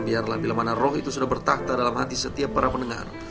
biarlah bila mana roh itu sudah bertakta dalam hati setiap para pendengar